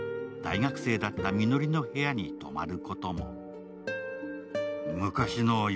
大学生だったみのりの府屋に泊まることも。